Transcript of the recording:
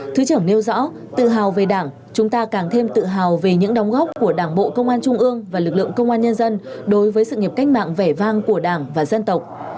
thứ trưởng nêu rõ tự hào về đảng chúng ta càng thêm tự hào về những đóng góp của đảng bộ công an trung ương và lực lượng công an nhân dân đối với sự nghiệp cách mạng vẻ vang của đảng và dân tộc